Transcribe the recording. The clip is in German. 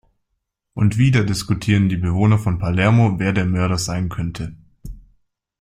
Und wieder diskutieren die Bewohner von Palermo, wer der Mörder sein könnte.